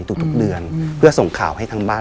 ทุกเดือนเพื่อส่งข่าวให้ทางบ้าน